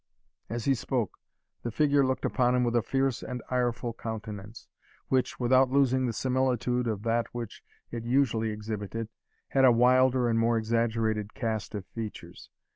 As he spoke, the figure looked upon him with a fierce and ireful countenance, which, without losing the similitude of that which it usually exhibited, had a wilder and more exaggerated cast of features.